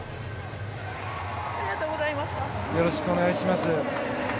よろしくお願いします。